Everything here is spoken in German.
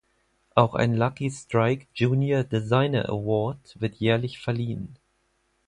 Auch ein "Lucky Strike Junior Designer Award" wird jährlich verliehen.